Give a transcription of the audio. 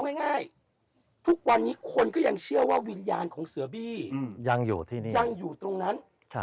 เอาง่ายทุกวันนี้คนก็ยังเชื่อว่าวิญญาณของเสือบี้ยังอยู่ตรงนั้น